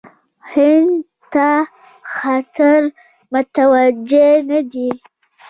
هند ته خطر متوجه نه دی.